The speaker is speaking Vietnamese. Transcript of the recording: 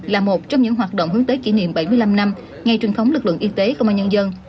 là một trong những hoạt động hướng tới kỷ niệm bảy mươi năm năm ngay truyền thống lực lượng y tế không ai nhân dân